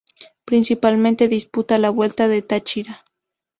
Principalmente disputa la Vuelta al Táchira.